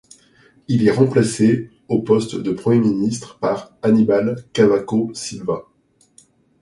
Il est remplacé au poste de Premier ministre par Aníbal Cavaco Silva.